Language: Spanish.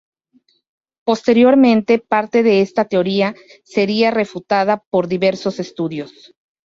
Posteriormente parte de esta teoría sería refutada por diversos estudios.